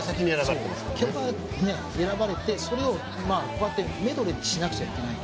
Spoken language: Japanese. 曲が選ばれてそれをこうやってメドレーにしなくちゃいけない。